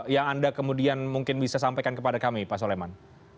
yang anda kemudian mungkin bisa sampaikan kepada kami pak soleman